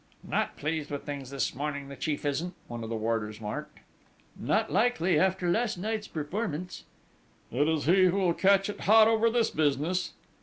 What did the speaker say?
"Not pleased with things this morning, the chief isn't," one of the warders remarked. "Not likely, after last night's performance!" "It's he who will catch it hot over this business!"